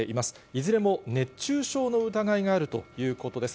いずれも熱中症の疑いがあるということです。